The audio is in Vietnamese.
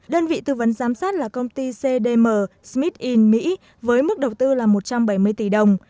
đơn vị tư vấn giám sát là công ty cdm smith me với mức đầu tư là một trăm bảy mươi tỷ đồng